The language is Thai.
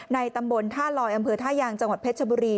ตำบลท่าลอยอำเภอท่ายางจังหวัดเพชรชบุรี